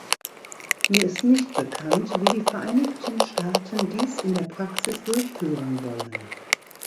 Mir ist nicht bekannt, wie die Vereinigten Staaten dies in der Praxis durchführen wollen.